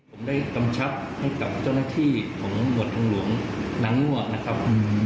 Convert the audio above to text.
ผมได้กำชับให้กับเจ้าหน้าที่ของหมวดทางหลวงนางงวกนะครับ